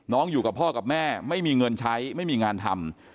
อยู่กับพ่อกับแม่ไม่มีเงินใช้ไม่มีงานทำ